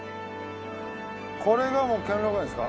これがもう兼六園ですか？